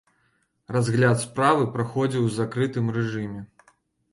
Разгляд справы праходзіў у закрытым рэжыме.